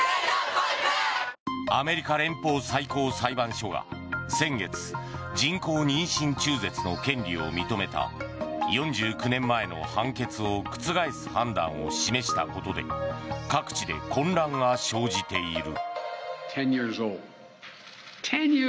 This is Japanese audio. アメリカ連邦最高裁判所が先月、人工妊娠中絶の権利を認めた４９年前の判決を覆す判断を示したことで各地で混乱が生じている。